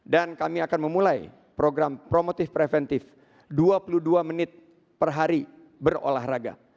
dan kami akan memulai program promotif preventif dua puluh dua menit per hari berolahraga